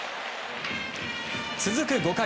続く５回。